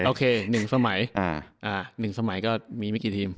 โอเคหนึ่งสมัยก็มีไม่กี่ทีม